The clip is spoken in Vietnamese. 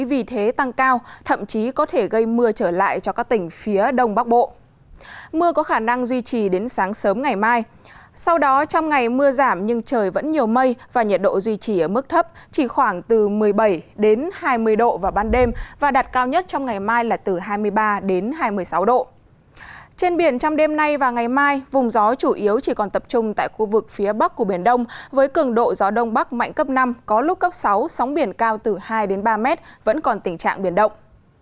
với cường độ gió đông bắc mạnh cấp năm có lúc cấp sáu sóng biển cao từ hai đến ba mét vẫn còn tình trạng biển động